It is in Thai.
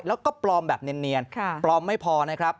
แล้วก็ปลอมแบบเนียนปลอมไม่พอนะครับ